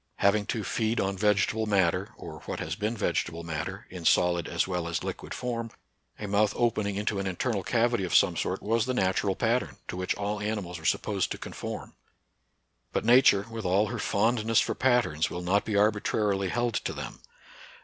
Hav ing to feed on vegetable matter, or what has been vegetable matter, in solid as well as liquid form, a mouth opening into an internal cavity of some sort was the natural pattern, to which all animals were supposed to conform. But Nature, with all her fondness for patterns, will not be arbitrarily held to them.